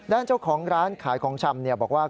ด้านเจ้าของร้านขายของชำบอกว่า